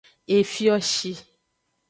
Efioshi.